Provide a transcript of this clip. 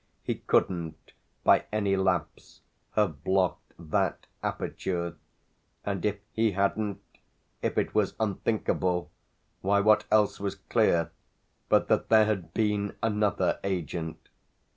He couldn't, by any lapse, have blocked that aperture; and if he hadn't, if it was unthinkable, why what else was clear but that there had been another agent?